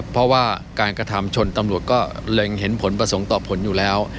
เพราะว่าการกระทำชนตำรวจก็เล็งเห็นผลประสงค์ต่อผลอยู่แล้ว